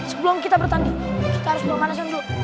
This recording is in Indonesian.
sebelum kita bertanding kita harus memanasin dulu